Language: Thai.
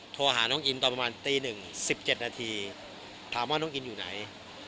โทรหาน้องอินตอนประมาณตีหนึ่งสิบเจ็ดนาทีถามว่าน้องอินอยู่ไหน